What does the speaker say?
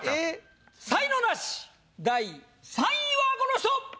才能ナシ第３位はこの人！